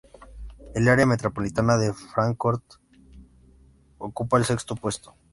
El área metropolitana de Fráncfort ocupa el sexto puesto.